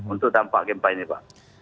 untuk dampak gempa ini pak